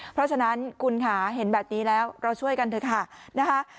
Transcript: เพราะฉะนั้นคุณค่ะเห็นแบบนี้แล้วเราช่วยกันเถอะค่ะนะคะ